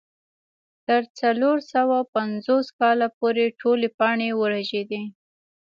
تر څلور سوه پنځوس کاله پورې ټولې پاڼې ورژېدې.